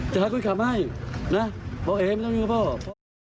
จะให้คุณขับมาให้นะบอกเอ๊ไม่ต้องยิ่งกับพ่อ